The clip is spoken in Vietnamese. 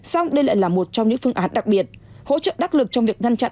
xong đây lại là một trong những phương án đặc biệt hỗ trợ đắc lực trong việc ngăn chặn